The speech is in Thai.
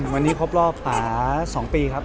วันนี้ครับ